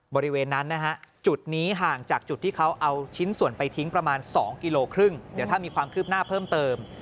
บริเวณนั้นนะฮะจุดนี้ห่างจากจุดที่เขาเอาชิ้นส่วนไปทิ้งประมาณ๒กิโลครึ่งเดี๋ยวถ้ามีความคืบหน้าเพิ่มเติม